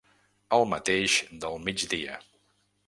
El mateix del migdia.